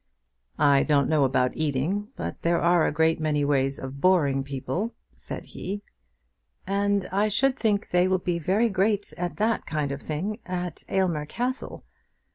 "I don't know about eating, but there are a great many ways of boring people," said he. "And I should think they will be great at that kind of thing at Aylmer Castle.